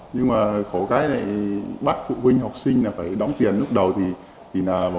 nhưng mà khổ cái này bắt phụ huynh học sinh là phải đóng tiền lúc đầu thì tùy tâm